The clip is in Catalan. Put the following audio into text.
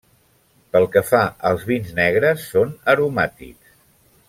Pel que fa als vins negres, són aromàtics.